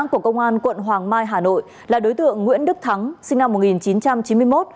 của công an quận hoàng mai hà nội là đối tượng nguyễn đức thắng sinh năm một nghìn chín trăm chín mươi một